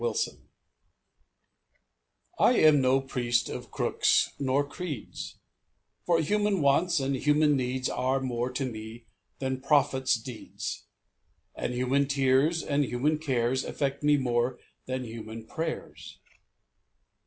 RELIGION I am no priest of crooks nor creeds, For human wants and human needs Are more to me than prophets' deeds; And human tears and human cares Affect me more than human prayers.